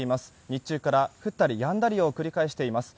日中から降ったりやんだりを繰り返しています。